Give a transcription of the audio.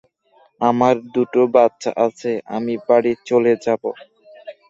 আমার দুটো বাচ্চা আছে, আমি বাড়ি চলে যাবো।